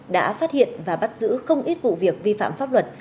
đã phát hiện và bắt giữ không ít vụ việc vi phạm pháp luật